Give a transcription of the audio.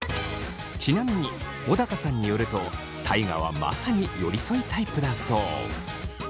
ちなみに小高さんによると大我はまさに寄り添いタイプだそう。